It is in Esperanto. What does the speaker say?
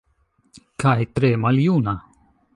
Kaj tre maljuna.